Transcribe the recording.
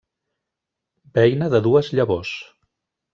Beina de dues llavors.